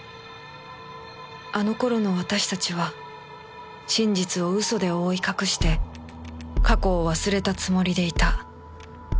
あの頃の私たちは真実を嘘で覆い隠して過去を忘れたつもりでいた